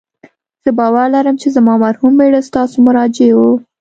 زه باور لرم چې زما مرحوم میړه ستاسو مراجع و